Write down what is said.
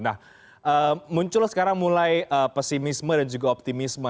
nah muncul sekarang mulai pesimisme dan juga optimisme